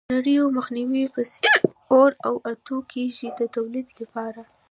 د نریو مخونو په څېر اوار او اتو کېږي د تولید لپاره.